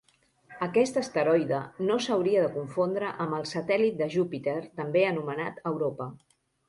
Aquest asteroide no s'hauria de confondre amb el satèl·lit de Júpiter també anomenat Europa.